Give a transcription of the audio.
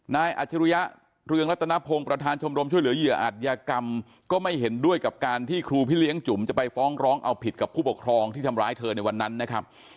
อัจฉริยะเรืองรัตนพงศ์ประธานชมรมช่วยเหลือเหยื่ออัตยากรรมก็ไม่เห็นด้วยกับการที่ครูพี่เลี้ยงจุ๋มจะไปฟ้องร้องเอาผิดกับผู้ปกครองที่ทำร้ายเธอในวันนั้นนะครับ